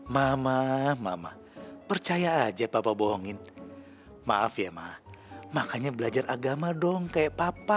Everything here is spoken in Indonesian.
mama mama percaya aja papa bohongin maaf ya mak makanya belajar agama dong kayak papa